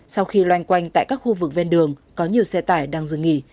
sau khi loanh quanh tại các khu vực ven đường có nhiều xe tải đang dừng nghỉ